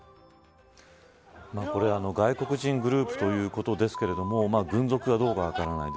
これ、外国人グループということですけれども軍属かどうか分からない。